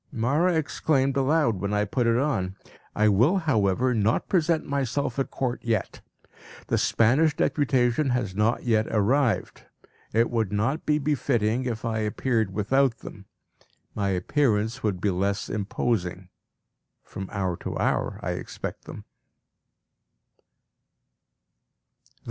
Mawra exclaimed aloud when I put it on. I will, however, not present myself at court yet; the Spanish deputation has not yet arrived. It would not be befitting if I appeared without them. My appearance would be less imposing. From hour to hour I expect them.